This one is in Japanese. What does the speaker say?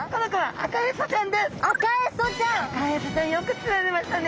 アカエソちゃんよくつられましたね。